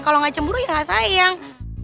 kalo gak cemburu ya gak sayang